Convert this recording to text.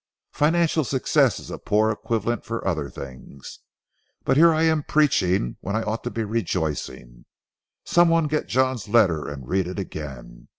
Financial success is a poor equivalent for other things. But here I am preaching when I ought to be rejoicing. Some one get John's letter and read it again.